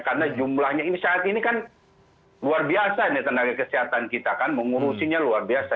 karena jumlahnya ini saat ini kan luar biasa nih tenaga kesehatan kita kan mengurusinya luar biasa